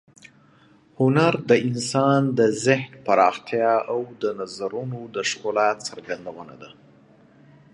هنر د انسان د ذهن پراختیا او د نظرونو د ښکلا څرګندونه ده.